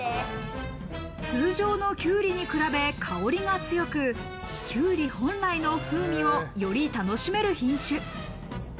通常のきゅうりに比べ、香りが強く、キュウリ本来の風味をより楽しめる品種。